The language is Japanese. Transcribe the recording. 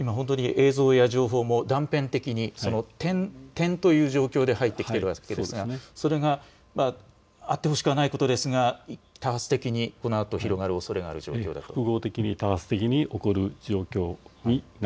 今映像や情報も断片的に点々という状況で入ってきているわけですが、それがあってほしくはないことですが多発的にこのあと広がるおそれがあるという状況ですね。